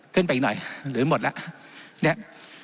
ขึ้นไปอีกหน่อยหรือหมดแล้ว